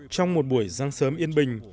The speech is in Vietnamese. trong một buổi răng sớm yên bình